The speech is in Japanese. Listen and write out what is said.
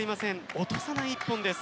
落とさない１本です。